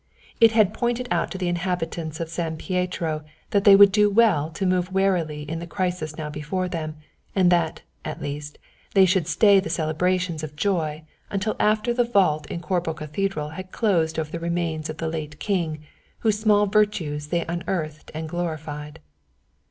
It had pointed out to the inhabitants of San Pietro that they would do well to move warily in the crisis now before them, and that, at least, they should stay the celebrations of joy until after the vault in Corbo Cathedral had closed over the remains of the late king, whose small virtues they unearthed and glorified.